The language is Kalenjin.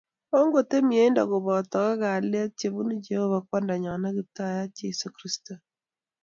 Ingoteb mieindo kobotok ak kalyet che bunu Jehova Kwandanyo ak Kiptaiyat Jesu Kristo.